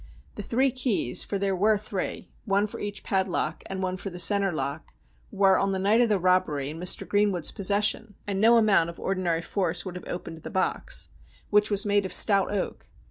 The three keys, for there were three, one for each padlock and one for the centre lock, were, on the night of the robbery, in Mr. Greenwood's possession, and no amount of ordinary force would have opened the box, which THE SHINING HAND 183 was made of stout oak.